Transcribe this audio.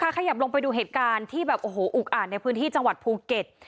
ขยับลงไปดูเหตุการณ์ที่แบบโอ้โหอุกอ่านในพื้นที่จังหวัดภูเก็ต